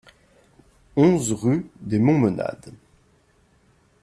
onze rue des Montmenades